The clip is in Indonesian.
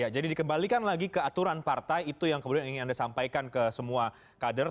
dikembalikan lagi ke aturan partai itu yang kemudian ingin anda sampaikan ke semua kader